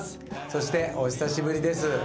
そしてお久しぶりです。